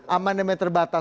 aman demen terbatas